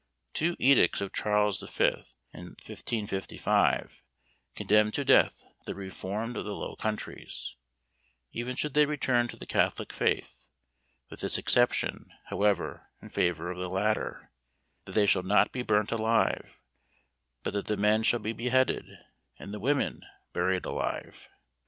Two edicts of Charles the Fifth, in 1555, condemned to death the Reformed of the Low Countries, even should they return to the catholic faith, with this exception, however, in favour of the latter, that they shall not be burnt alive, but that the men shall be beheaded, and the women buried alive!